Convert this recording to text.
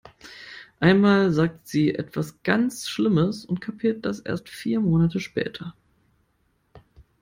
Einmal sagt sie etwas ganz schlimmes, und kapiert das erst vier Monate später.